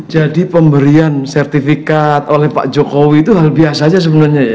jadi pemberian sertifikat oleh pak jokowi itu hal biasa aja sebenarnya ya